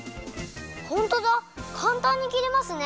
ホントだかんたんにきれますね！